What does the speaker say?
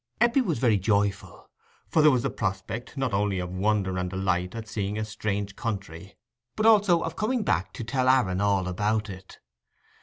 Eppie was very joyful, for there was the prospect not only of wonder and delight at seeing a strange country, but also of coming back to tell Aaron all about it.